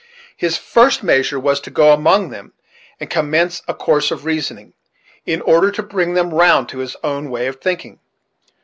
His first measure was to go among them and commence a course of reasoning, in order to bring them round to his own way of thinking.